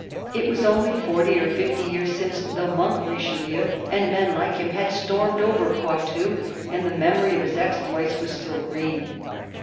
It was only forty or fifty years since the " Monk " Richelieu and men like him had stormed over Poitou, and the memory of his exploits was still green.